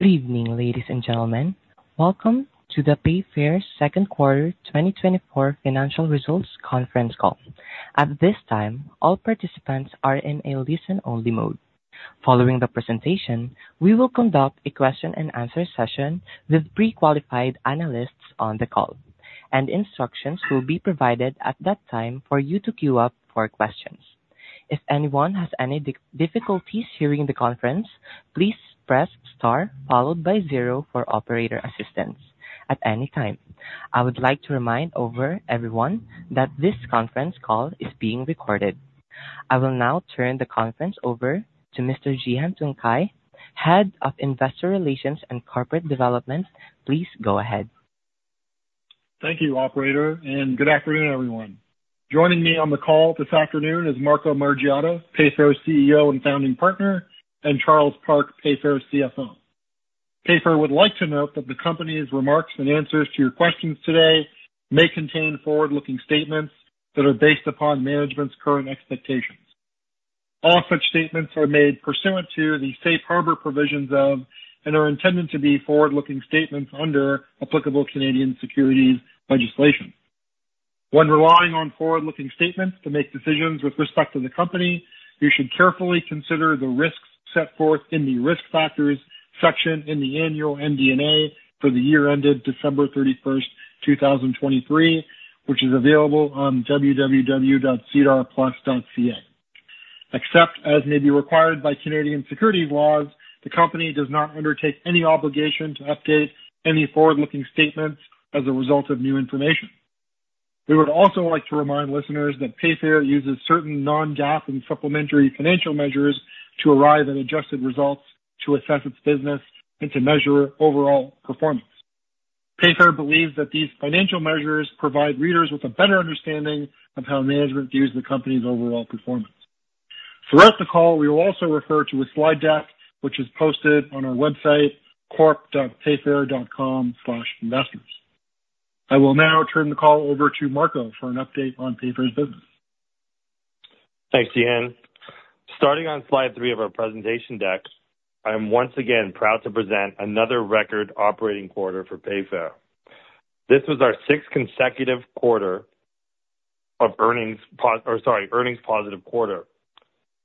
Good evening, ladies and gentlemen. Welcome to Payfare's Second Quarter 2024 Financial Results Conference Call. At this time, all participants are in a listen-only mode. Following the presentation, we will conduct a question and answer session with pre-qualified analysts on the call, and instructions will be provided at that time for you to queue up for questions. If anyone has any difficulties hearing the conference, please press star followed by zero for operator assistance at any time. I would like to remind over everyone that this conference call is being recorded. I will now turn the conference over to Mr. Cihan Tuncay, Head of Investor Relations and Corporate Development. Please go ahead. Thank you, operator, and good afternoon, everyone. Joining me on the call this afternoon is Marco Margiotta, Payfare’s CEO and founding partner, and Charles Park, Payfare’s CFO. Payfare would like to note that the company's remarks and answers to your questions today may contain forward-looking statements that are based upon management's current expectations. All such statements are made pursuant to the safe harbor provisions of and are intended to be forward-looking statements under applicable Canadian securities legislation. When relying on forward-looking statements to make decisions with respect to the company, you should carefully consider the risks set forth in the Risk Factors section in the annual MD&A for the year ended December 31, 2023, which is available on www.sedarplus.ca. Except as may be required by Canadian securities laws, the company does not undertake any obligation to update any forward-looking statements as a result of new information. We would also like to remind listeners that Payfare uses certain non-GAAP and supplementary financial measures to arrive at adjusted results to assess its business and to measure overall performance. Payfare believes that these financial measures provide readers with a better understanding of how management views the company's overall performance. Throughout the call, we will also refer to a slide deck, which is posted on our website, corp.payfare.com/investors. I will now turn the call over to Marco for an update on Payfare business. Thanks, Cihan. Starting on slide three of our presentation deck, I am once again proud to present another record operating quarter for Payfare. This was our sixth consecutive quarter of earnings positive quarter.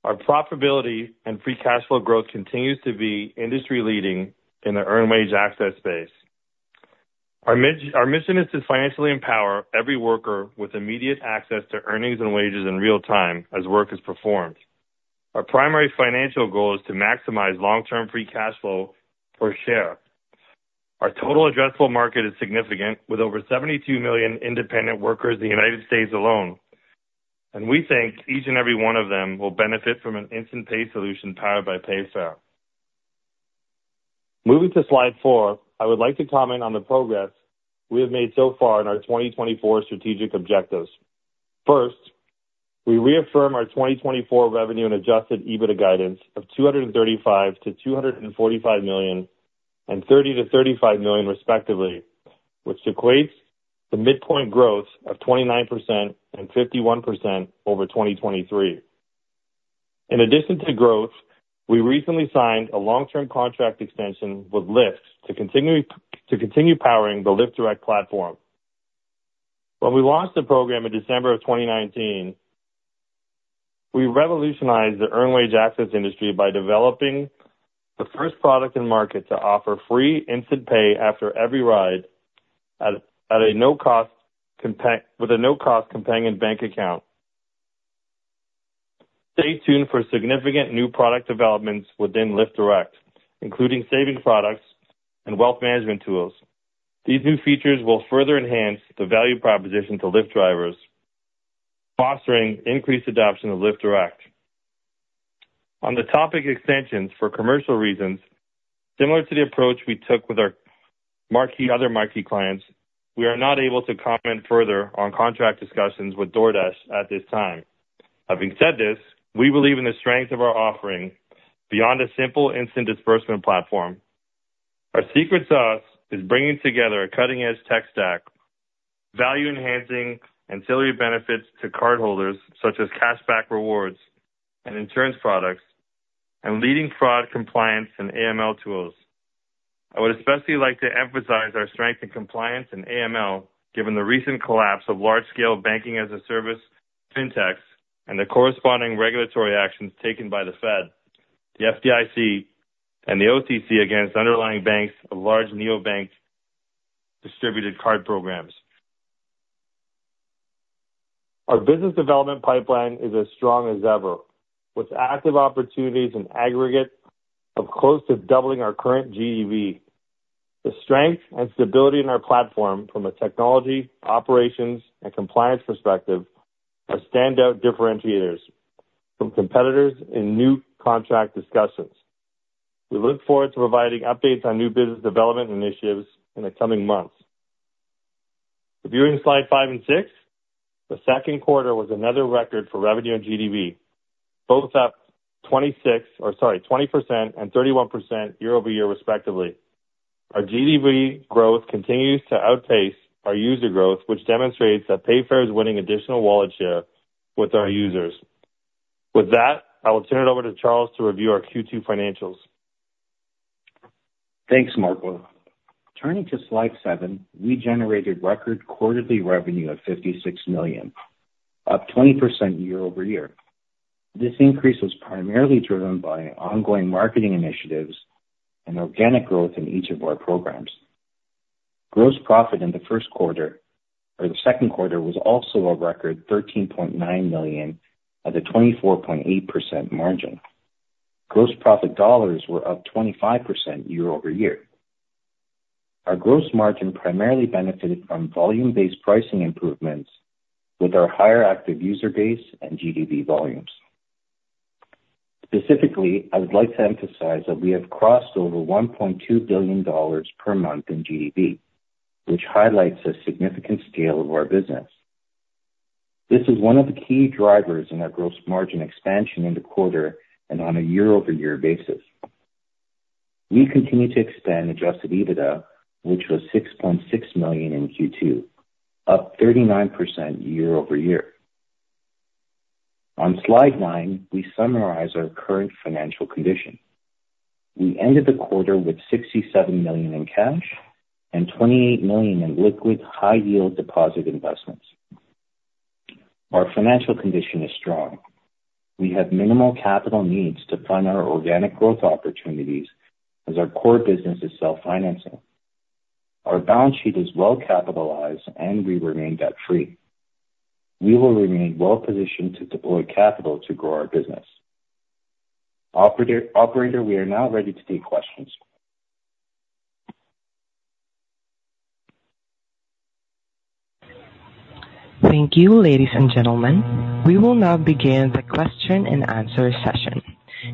Our profitability and free cash flow growth continues to be industry-leading in the earned wage access space. Our mission is to financially empower every worker with immediate access to earnings and wages in real time as work is performed. Our primary financial goal is to maximize long-term free cash flow per share. Our total addressable market is significant, with over 72 million independent workers in the United States alone, and we think each and every one of them will benefit from an instant pay solution powered by Payfare. Moving to slide four, I would like to comment on the progress we have made so far in our 2024 strategic objectives. First, we reaffirm our 2024 revenue and adjusted EBITDA guidance of 235 million-245 million and 30 million-35 million, respectively, which equates to midpoint growth of 29% and 51% over 2023. In addition to growth, we recently signed a long-term contract extension with Lyft to continue powering the Lyft Direct platform. When we launched the program in December of 2019, we revolutionized the earned wage access industry by developing the first product in the market to offer free instant pay after every ride with a no-cost companion bank account. Stay tuned for significant new product developments within Lyft Direct, including savings products and wealth management tools. These new features will further enhance the value proposition to Lyft drivers, fostering increased adoption of Lyft Direct. On the topic of extensions for commercial reasons, similar to the approach we took with our marquee, other marquee clients, we are not able to comment further on contract discussions with DoorDash at this time. Having said this, we believe in the strength of our offering beyond a simple instant disbursement platform. Our secret sauce is bringing together a cutting-edge tech stack, value-enhancing ancillary benefits to cardholders, such as cash back rewards and insurance products, and leading fraud, compliance, and AML tools. I would especially like to emphasize our strength in compliance and AML, given the recent collapse of large-scale banking-as-a-service fintechs and the corresponding regulatory actions taken by the Fed, the FDIC, and the OTC against underlying banks of large neobank distributed card programs. Our business development pipeline is as strong as ever, with active opportunities in aggregate of close to doubling our current GDV. The strength and stability in our platform from a technology, operations, and compliance perspective are standout differentiators from competitors in new contract discussions. We look forward to providing updates on new business development initiatives in the coming months. Reviewing slide five and six, the second quarter was another record for revenue and GDV, both up 26, or sorry, 20% and 31% year-over-year, respectively. Our GDV growth continues to outpace our user growth, which demonstrates that Payfare is winning additional wallet share with our users. With that, I will turn it over to Charles to review our Q2 financials. Thanks, Marco. Turning to slide seven, we generated record quarterly revenue of 56 million, up 20% year-over-year. This increase was primarily driven by ongoing marketing initiatives and organic growth in each of our programs. Gross profit in the first quarter, or the second quarter was also a record 13.9 million at a 24.8% margin. Gross profit dollars were up 25% year-over-year. Our gross margin primarily benefited from volume-based pricing improvements with our higher active user base and GDV volumes. Specifically, I would like to emphasize that we have crossed over $1.2 billion per month in GDV, which highlights the significant scale of our business. This is one of the key drivers in our gross margin expansion in the quarter and on a year-over-year basis. We continue to expand adjusted EBITDA, which was 6.6 million in Q2, up 39% year-over-year. On slide nine, we summarize our current financial condition. We ended the quarter with 67 million in cash and 28 million in liquid high-yield deposit investments. Our financial condition is strong. We have minimal capital needs to fund our organic growth opportunities as our core business is self-financing. Our balance sheet is well capitalized, and we remain debt-free. We will remain well positioned to deploy capital to grow our business. Operator, we are now ready to take questions. Thank you, ladies and gentlemen. We will now begin the question-and-answer session.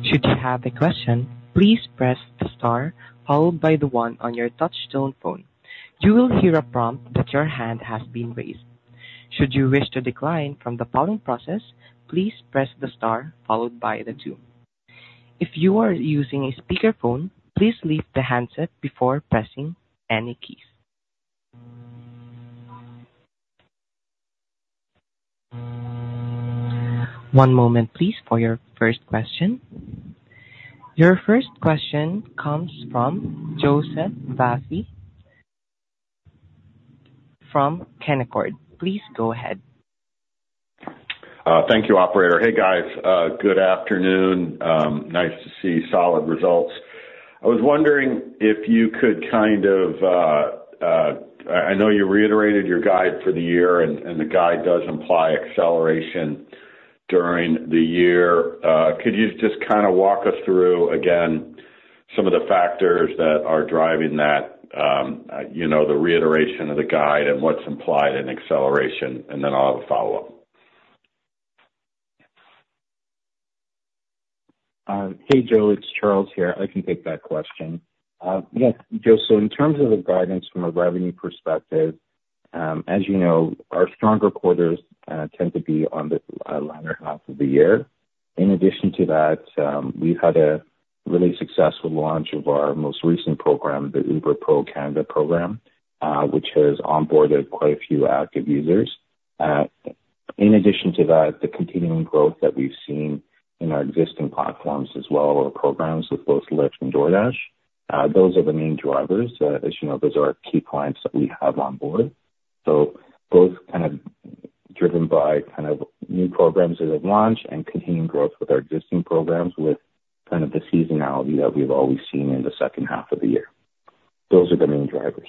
Should you have a question, please press the star followed by the one on your touchtone phone. You will hear a prompt that your hand has been raised. Should you wish to decline from the polling process, please press the star followed by the two. If you are using a speakerphone, please leave the handset before pressing any keys. One moment, please, for your first question. Your first question comes from Joseph Vafi from Canaccord. Please go ahead. Thank you, operator. Hey, guys, good afternoon. Nice to see solid results. I was wondering if you could kind of. I know you reiterated your guide for the year, and the guide does imply acceleration during the year. Could you just kind of walk us through, again, some of the factors that are driving that, you know, the reiteration of the guide and what's implied in acceleration? And then I'll have a follow-up. Hey, Joe, it's Charles here. I can take that question. Yes, Joe, so in terms of the guidance from a revenue perspective, as you know, our stronger quarters tend to be on the latter half of the year. In addition to that, we've had a really successful launch of our most recent program, the Uber Pro Canada program, which has onboarded quite a few active users. In addition to that, the continuing growth that we've seen in our existing platforms as well, or programs with both Lyft and DoorDash, those are the main drivers. As you know, those are our key clients that we have on board. So both kind of driven by kind of new programs that have launched and continuing growth with our existing programs, with kind of the seasonality that we've always seen in the second half of the year. Those are the main drivers.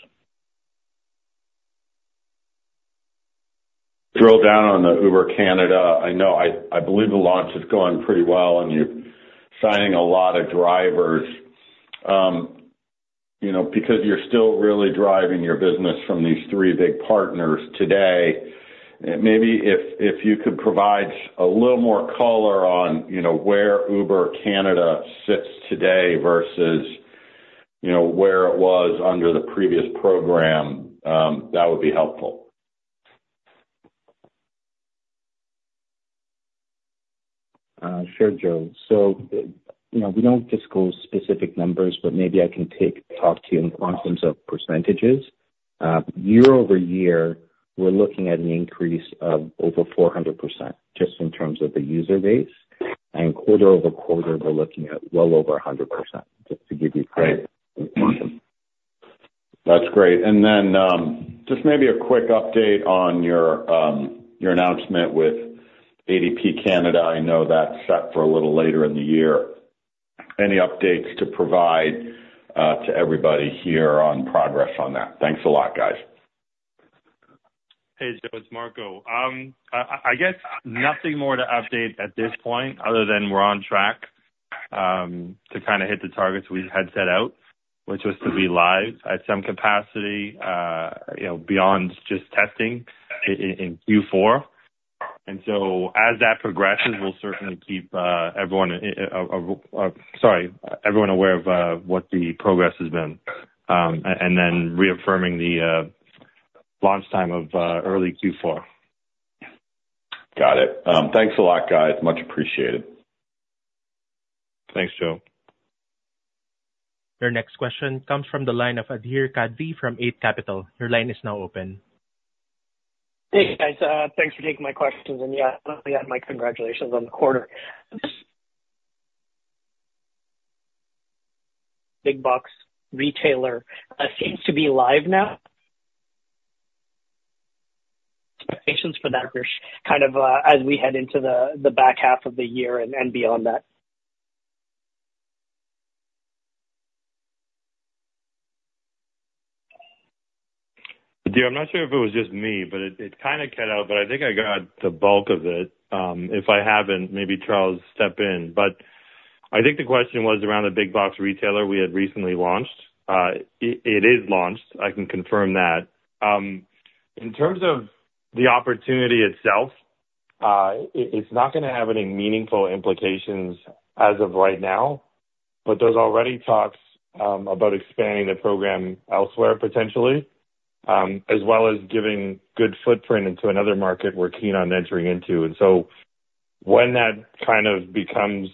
Drill down on the Uber Canada. I know, I believe the launch has gone pretty well, and you're signing a lot of drivers. You know, because you're still really driving your business from these three big partners today, maybe if you could provide a little more color on, you know, where Uber Canada sits today versus, you know, where it was under the previous program, that would be helpful. Sure, Joe. So, you know, we don't disclose specific numbers, but maybe I can talk to you in terms of percentages. Year-over-year, we're looking at an increase of over 400%, just in terms of the user base. And quarter-over-quarter, we're looking at well over 100%, just to give you- Great. Context. That's great. And then, just maybe a quick update on your, your announcement with ADP Canada. I know that's set for a little later in the year. Any updates to provide, to everybody here on progress on that? Thanks a lot, guys. Hey, Joe, it's Marco. I guess nothing more to update at this point other than we're on track to kind of hit the targets we had set out, which was to be live at some capacity, you know, beyond just testing in Q4. And so as that progresses, we'll certainly keep everyone aware of what the progress has been, and then reaffirming the launch time of early Q4. Got it. Thanks a lot, guys. Much appreciated. Thanks, Joe. Your next question comes from the line of Adhir Kadve from Eight Capital. Your line is now open. Hey, guys. Thanks for taking my questions. Yeah, my congratulations on the quarter. Big box retailer seems to be live now. Expectations for that growth, kind of, as we head into the back half of the year and beyond that? Adhir, I'm not sure if it was just me, but it kind of cut out, but I think I got the bulk of it. If I haven't, maybe Charles step in. But I think the question was around the big box retailer we had recently launched. It is launched, I can confirm that. In terms of the opportunity itself, it's not gonna have any meaningful implications as of right now, but there's already talks about expanding the program elsewhere, potentially, as well as giving good footprint into another market we're keen on entering into. And so when that kind of becomes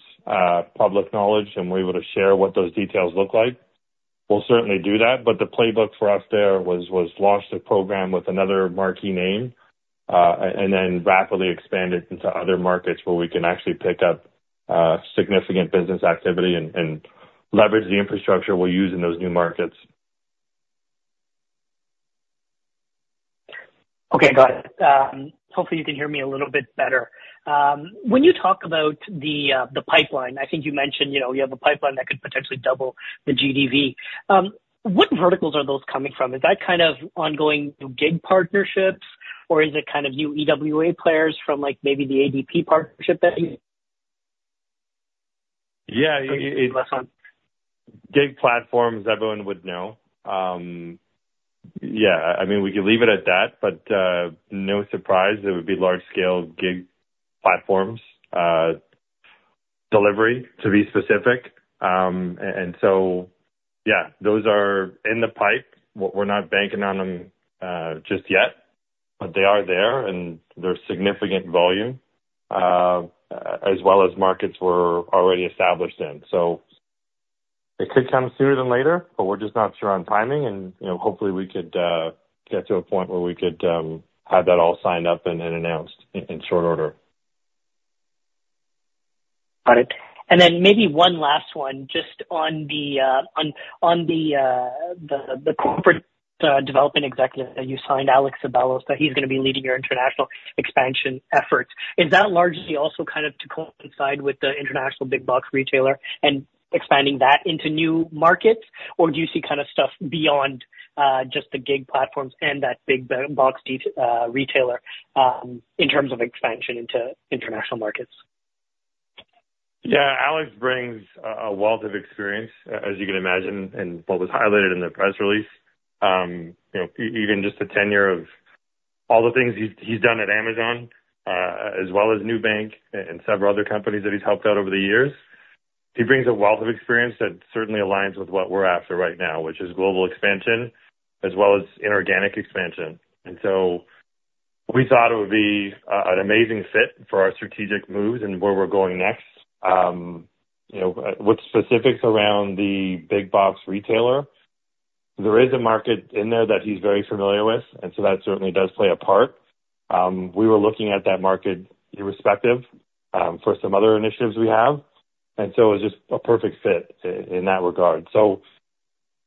public knowledge and we're able to share what those details look like, we'll certainly do that. But the playbook for us there was launch the program with another marquee name, and then rapidly expand it into other markets where we can actually pick up significant business activity and leverage the infrastructure we'll use in those new markets. Okay, got it. Hopefully, you can hear me a little bit better. When you talk about the pipeline, I think you mentioned, you know, you have a pipeline that could potentially double the GDV. What verticals are those coming from? Is that kind of ongoing gig partnerships, or is it kind of new EWA players from, like, maybe the ADP partnership that you. Yeah, gig platforms, everyone would know. Yeah, I mean, we could leave it at that, but no surprise, it would be large-scale gig platforms, delivery, to be specific. And so, yeah, those are in the pipe. We're not banking on them just yet, but they are there, and they're significant volume as well as markets we're already established in. So it could come sooner than later, but we're just not sure on timing. And, you know, hopefully, we could get to a point where we could have that all signed up and then announced in short order. Got it. And then maybe one last one, just on the corporate development executive that you signed, Alex Ceballos, that he's gonna be leading your international expansion efforts. Is that largely also kind of to coincide with the international big box retailer and expanding that into new markets? Or do you see kind of stuff beyond just the gig platforms and that big box retailer in terms of expansion into international markets? Yeah, Alex brings a wealth of experience, as you can imagine, and what was highlighted in the press release. You know, even just the tenure of all the things he's done at Amazon, as well as Nubank and several other companies that he's helped out over the years. He brings a wealth of experience that certainly aligns with what we're after right now, which is global expansion as well as inorganic expansion. And so we thought it would be an amazing fit for our strategic moves and where we're going next. You know, with specifics around the big box retailer, there is a market in there that he's very familiar with, and so that certainly does play a part. We were looking at that market irrespective, for some other initiatives we have, and so it's just a perfect fit in that regard. So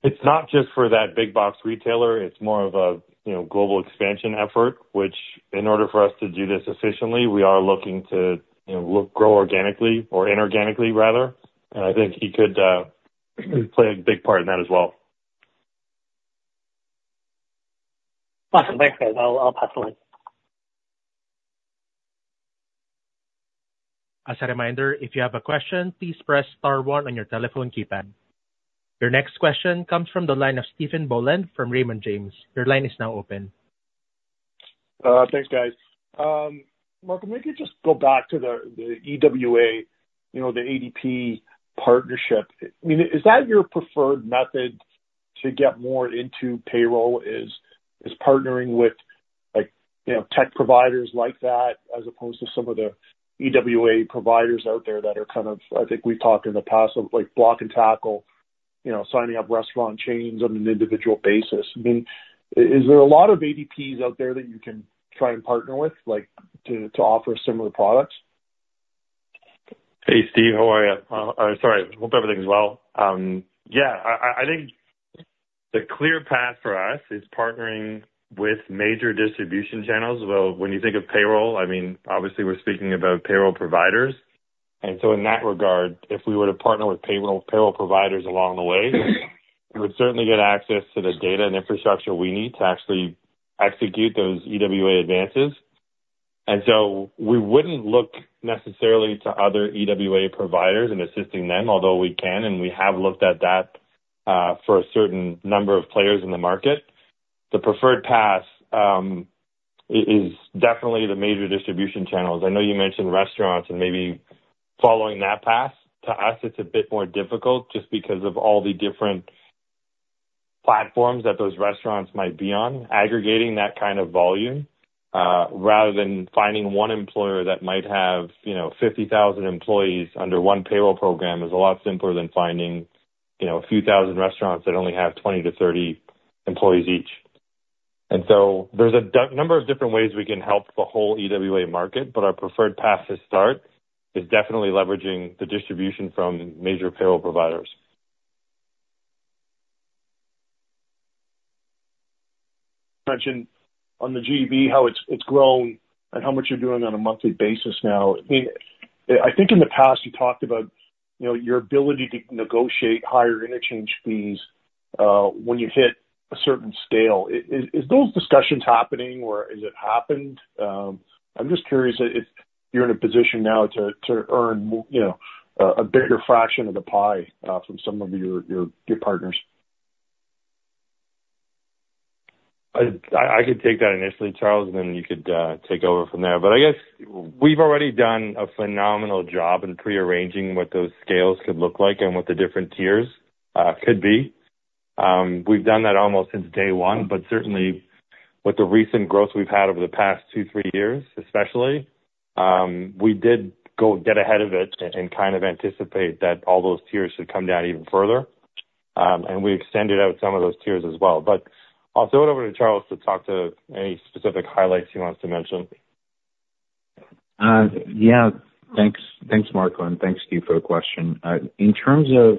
it's not just for that big box retailer, it's more of a, you know, global expansion effort, which in order for us to do this efficiently, we are looking to, you know, grow organically or inorganically, rather, and I think he could play a big part in that as well. Awesome. Thanks, guys. I'll pass it on. As a reminder, if you have a question, please press star one on your telephone keypad. Your next question comes from the line of Stephen Boland from Raymond James. Your line is now open. Thanks, guys. Malcolm, maybe just go back to the EWA, you know, the ADP partnership. I mean, is that your preferred method to get more into payroll, partnering with, like, you know, tech providers like that, as opposed to some of the EWA providers out there that are kind of, I think we've talked in the past of, like, block and tackle, you know, signing up restaurant chains on an individual basis. I mean, is there a lot of ADPs out there that you can try and partner with, like, to offer similar products? Hey, Steve. How are you? Sorry, hope everything is well. Yeah, I think the clear path for us is partnering with major distribution channels. Well, when you think of payroll, I mean, obviously we're speaking about payroll providers. And so in that regard, if we were to partner with payroll, payroll providers along the way, it would certainly get access to the data and infrastructure we need to actually execute those EWA advances. And so we wouldn't look necessarily to other EWA providers in assisting them, although we can, and we have looked at that for a certain number of players in the market. The preferred path is definitely the major distribution channels. I know you mentioned restaurants and maybe following that path. To us, it's a bit more difficult just because of all the different platforms that those restaurants might be on, aggregating that kind of volume, rather than finding one employer that might have, you know, 50,000 employees under one payroll program, is a lot simpler than finding, you know, a few thousand restaurants that only have 20-30 employees each. And so there's a number of different ways we can help the whole EWA market, but our preferred path to start is definitely leveraging the distribution from major payroll providers. Mentioned on the GDV, how it's grown and how much you're doing on a monthly basis now. I mean, I think in the past you talked about, you know, your ability to negotiate higher interchange fees when you hit a certain scale. Is those discussions happening or has it happened? I'm just curious if you're in a position now to earn more, you know, a bigger fraction of the pie from some of your partners. I could take that initially, Charles, and then you could take over from there. But I guess we've already done a phenomenal job in prearranging what those scales could look like and what the different tiers could be. We've done that almost since day one, but certainly with the recent growth we've had over the past two, three years, especially, we did go get ahead of it and kind of anticipate that all those tiers should come down even further. And we extended out some of those tiers as well. But I'll throw it over to Charles to talk to any specific highlights he wants to mention. Yeah, thanks. Thanks, Marco, and thanks to you for the question. In terms of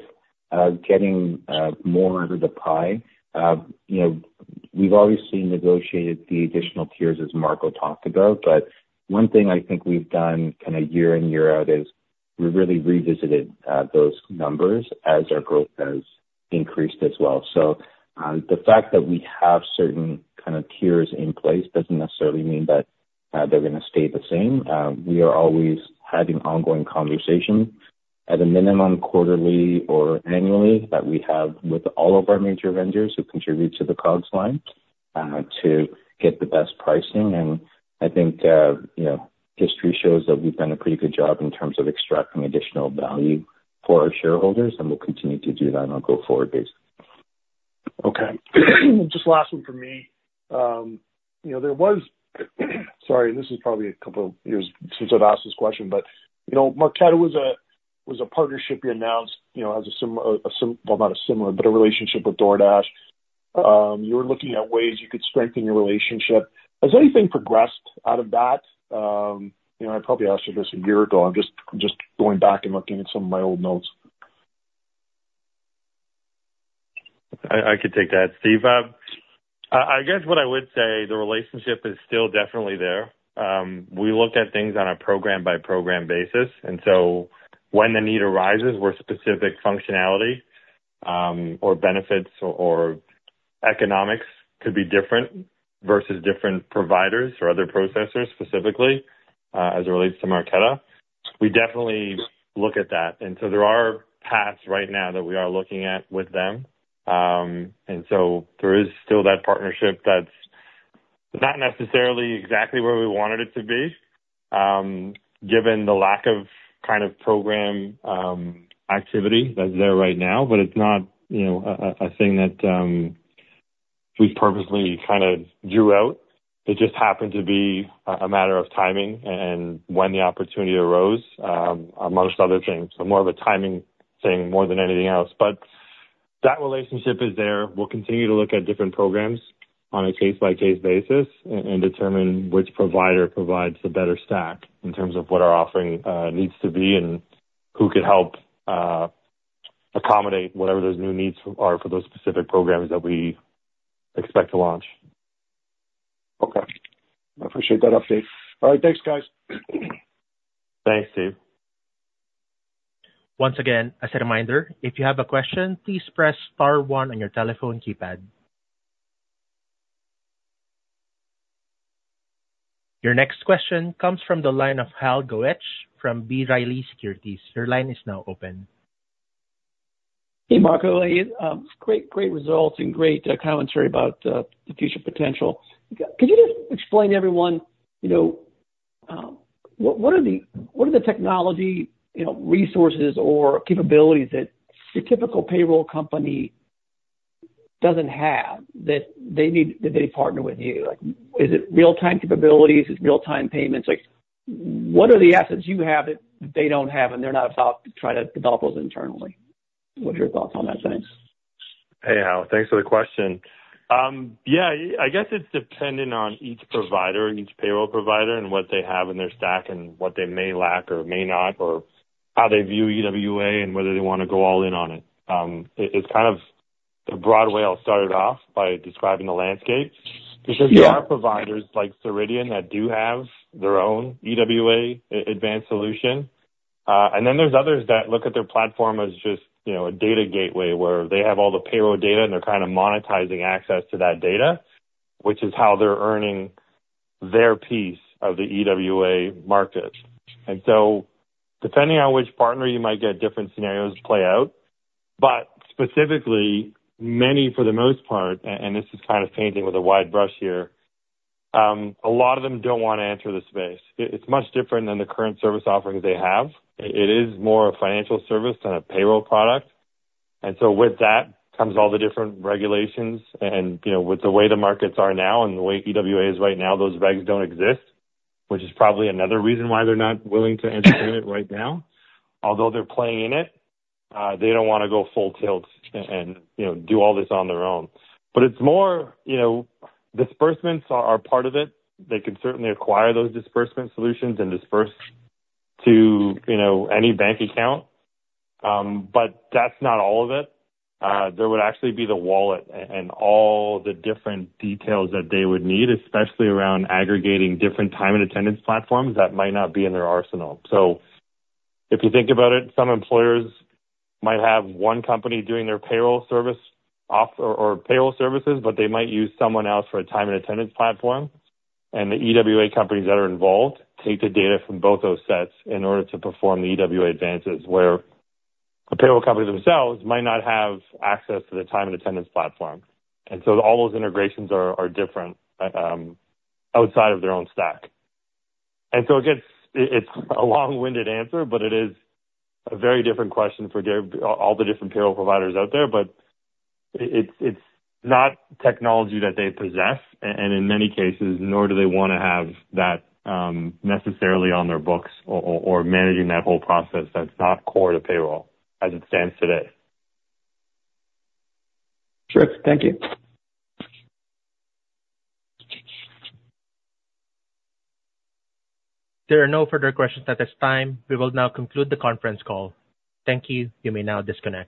getting more out of the pie, you know, we've always seen negotiated the additional tiers as Marco talked about, but one thing I think we've done kind of year in, year out, is we really revisited those numbers as our growth has increased as well. So, the fact that we have certain kind of tiers in place doesn't necessarily mean that they're gonna stay the same. We are always having ongoing conversations at a minimum, quarterly or annually, that we have with all of our major vendors who contribute to the product line to get the best pricing. I think, you know, history shows that we've done a pretty good job in terms of extracting additional value for our shareholders, and we'll continue to do that on a go-forward basis. Okay. Just last one from me. You know, there was, sorry, this is probably a couple of years since I've asked this question, but, you know, Marqeta was a, was a partnership you announced, you know, as a well, not a similar, but a relationship with DoorDash. You were looking at ways you could strengthen your relationship. Has anything progressed out of that? You know, I probably asked you this a year ago. I'm just, just going back and looking at some of my old notes. I could take that, Steve. I guess what I would say the relationship is still definitely there. We look at things on a program-by-program basis, and so when the need arises, where specific functionality, or benefits or economics could be different versus different providers or other processors specifically, as it relates to Marqeta, we definitely look at that. And so there are paths right now that we are looking at with them. And so there is still that partnership that's not necessarily exactly where we wanted it to be, given the lack of kind of program activity that's there right now. But it's not, you know, a thing that we've purposely kind of drew out. It just happened to be a matter of timing and when the opportunity arose, amongst other things. More of a timing thing more than anything else, but that relationship is there. We'll continue to look at different programs on a case-by-case basis and, and determine which provider provides the better stack in terms of what our offering needs to be, and who could help accommodate whatever those new needs are for those specific programs that we expect to launch. Okay, I appreciate that update. All right, thanks, guys. Thanks, Steve. Once again, as a reminder, if you have a question, please press star one on your telephone keypad. Your next question comes from the line of Hal Goetsch from B. Riley Securities. Your line is now open. Hey, Marco, great, great results and great commentary about the future potential. Could you just explain to everyone you know what are the technology you know resources or capabilities that your typical payroll company doesn't have, that they need, that they partner with you? Like, is it real-time capabilities? Is it real-time payments? Like, what are the assets you have that they don't have, and they're not about to try to develop those internally? What are your thoughts on that sense? Hey, Hal, thanks for the question. Yeah, I guess it's dependent on each provider, each payroll provider, and what they have in their stack, and what they may lack or may not, or how they view EWA and whether they want to go all in on it. It's kind of the broad way I'll start it off by describing the landscape. Yeah. Because there are providers like Ceridian that do have their own EWA advanced solution, and then there's others that look at their platform as just, you know, a data gateway, where they have all the payroll data, and they're kind of monetizing access to that data, which is how they're earning their piece of the EWA market. And so, depending on which partner, you might get different scenarios play out, but specifically, many for the most part, and this is kind of painting with a wide brush here, a lot of them don't want to enter the space. It's much different than the current service offerings they have. It is more a financial service than a payroll product, and so with that comes all the different regulations, and, you know, with the way the markets are now and the way EWA is right now, those regs don't exist, which is probably another reason why they're not willing to enter in it right now. Although they're playing in it, they don't want to go full tilt and, you know, do all this on their own. But it's more, you know, disbursements are part of it. They can certainly acquire those disbursement solutions and disperse to, you know, any bank account, but that's not all of it. There would actually be the wallet and all the different details that they would need, especially around aggregating different time and attendance platforms that might not be in their arsenal. So if you think about it, some employers might have one company doing their payroll services, but they might use someone else for a time and attendance platform, and the EWA companies that are involved take the data from both those sets in order to perform the EWA advances, where the payroll companies themselves might not have access to the time and attendance platform. So all those integrations are different, outside of their own stack. So again, it's a long-winded answer, but it is a very different question for all the different payroll providers out there. But it's not technology that they possess, and in many cases, nor do they want to have that necessarily on their books or managing that whole process that's not core to payroll as it stands today. Sure. Thank you. There are no further questions at this time. We will now conclude the conference call. Thank you. You may now disconnect.